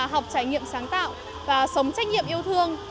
học trải nghiệm sáng tạo và sống trách nhiệm yêu thương